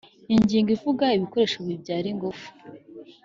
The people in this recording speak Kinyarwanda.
Ingingo ivuga ibikoresho bibyara ingufu